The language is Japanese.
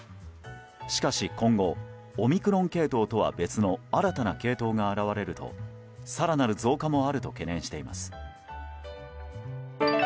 しかし、今後オミクロン系統とは別の新たな系統が現れると更なる増加もあると懸念しています。